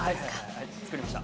はい、作りました。